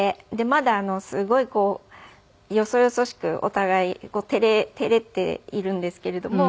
まだすごいよそよそしくお互い照れているんですけれども。